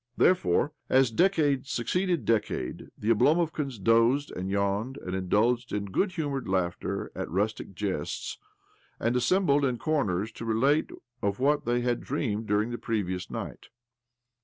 Therefore,, as decade succeeded decade, the Oblomovkans dozed and yawned, and indulged in good humoured laughter at rustic jests, and assembled in corners to relate of what they had dreamed during the previous night.